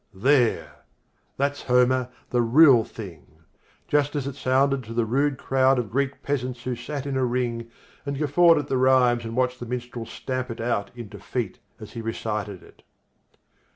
There! That's Homer, the real thing! Just as it sounded to the rude crowd of Greek peasants who sat in a ring and guffawed at the rhymes and watched the minstrel stamp it out into "feet" as he recited it!